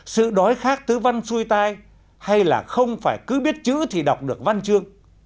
sự đói khát thứ văn xuôi tai hay là không phải cứ biết chữ thì đọc được văn chương